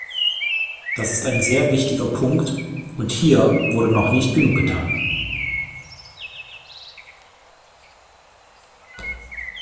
Das ist ein sehr wichtiger Punkt, und hier wurde noch nicht genug getan.